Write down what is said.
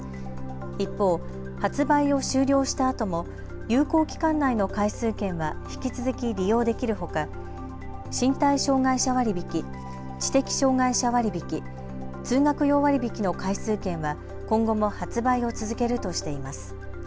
一方、発売を終了したあとも有効期間内の回数券は引き続き利用できるほか身体障害者割引、知的障害者割引、通学用割引の回数券は今後も発売を続けるとしています。